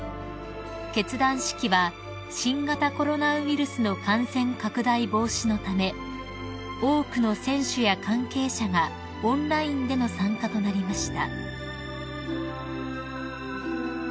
［結団式は新型コロナウイルスの感染拡大防止のため多くの選手や関係者がオンラインでの参加となりました］